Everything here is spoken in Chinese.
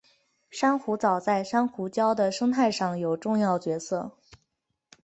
珊瑚藻在珊瑚礁的生态上有重要角色。